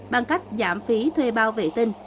bằng cách giảm phí thuê bao vệ tinh